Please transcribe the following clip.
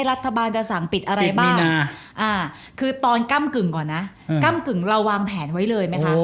รัฐบาลจะสั่งปิดอะไรบ้างคือตอนก้ำกึ่งก่อนนะก้ำกึ่งเราวางแผนไว้เลยไหมคะ